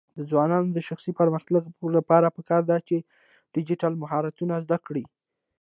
د ځوانانو د شخصي پرمختګ لپاره پکار ده چې ډیجیټل مهارتونه زده کړي.